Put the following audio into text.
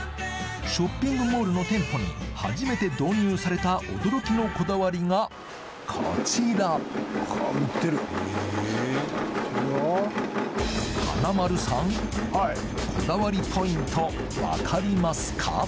ショッピングモールの店舗に初めて導入された驚きのこだわりがこちら華丸さんこだわりポイント分かりますか？